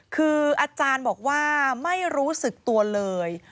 คืออาจารย์บอกว่าไม่รู้สึกตัวเลย